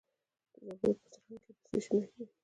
د زابل په ترنک کې د څه شي نښې دي؟